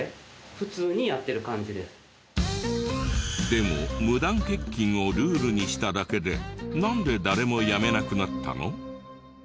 でも無断欠勤をルールにしただけでなんで誰も辞めなくなったの？